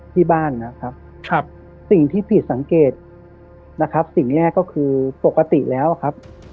ที่บ้านนะครับสิ่งที่ผิดสังเกตนะครับสิ่งแรกก็คือปกติแล้วครับ